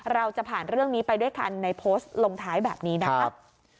เราจะผ่านเรื่องนี้ไปด้วยกันในโพสต์ลงท้ายแบบนี้นะครับ